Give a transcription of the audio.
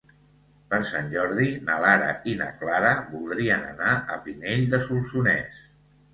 Per Sant Jordi na Lara i na Clara voldrien anar a Pinell de Solsonès.